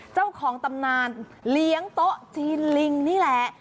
เจ้าของตำนานเลี้ยงโต๊ะจีนลิงนี่แหละ